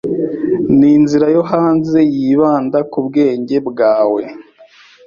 Ninzira yo hanze yibanda kubwenge bwawe?